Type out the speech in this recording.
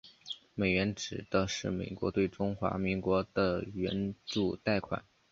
美援指的是美国对中华民国的援助贷款。